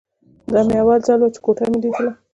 دا مې اول ځل و چې کوټه مې ليدله.